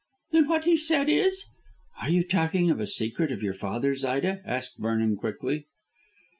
"Then what he said is " "Are you talking of a secret of your father's, Ida?" asked Vernon quickly.